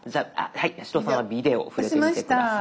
八代さんは「ビデオ」触れてみて下さい。